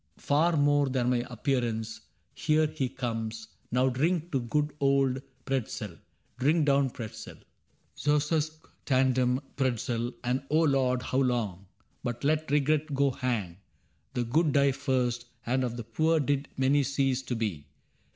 Far more than my appearance. Here he comes ; Now drink to good old Pretzel ! Drink down Pretzel ! ^ousque tandem^ Pretzel, and O Lord, How long ! But let regret go hang : the good Die first, and of the poor did many cease To be.